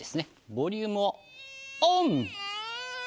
ボリュームをオン！